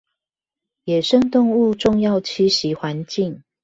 野生動物重要棲息環境